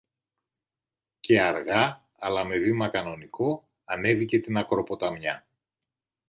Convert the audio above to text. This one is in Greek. και αργά, αλλά με βήμα κανονικό, ανέβηκε την ακροποταμιά